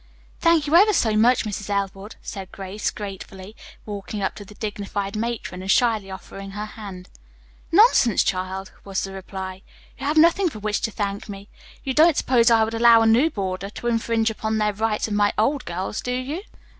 "Thank you ever so much, Mrs. Elwood," said Grace gratefully, walking up to the dignified matron and shyly offering her hand. "Nonsense, child!" was the reply. "You have nothing for which to thank me. You don't suppose I would allow a new boarder to infringe upon the rights of my old girls, do you?"